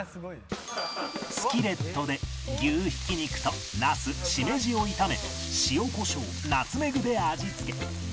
スキレットで牛ひき肉とナスしめじを炒め塩コショウナツメグで味付け